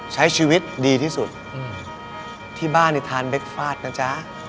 ใช้ชีวิตดีที่สุดที่บ้านทานเบคฟาดนะจ๊ะ